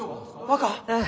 若！